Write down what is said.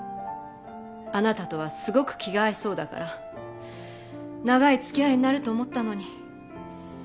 あなたとはすごく気が合いそうだから長い付き合いになると思ったのに。